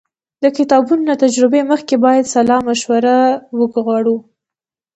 د کتابونو له ترجمې مخکې باید سلا مشوره وغواړو.